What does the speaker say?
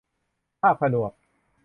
ภาคผนวก